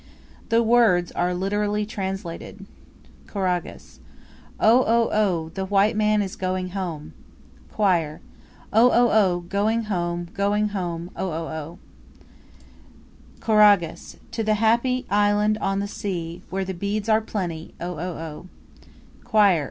The words are literally translated: Choragus. Oh oh oh! the white man is going home! Choir. Oh oh oh! going home! Going home, oh oh oh! Choragus. To the happy island on the sea, Where the beads are plenty, oh oh oh! Choir.